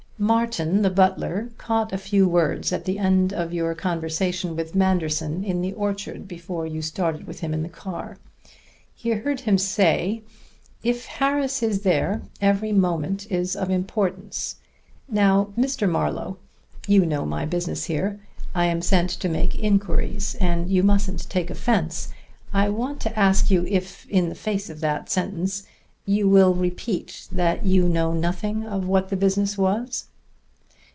Martin the butler caught a few words at the end of your conversation with Manderson in the orchard before you started with him in the car. He heard him say: 'If Harris is there every moment is of importance.' Now, Mr. Marlowe, you know my business here. I am sent to make inquiries, and you mustn't take offense. I want to ask you if, in the face of that sentence, you will repeat that you know nothing of what the business was."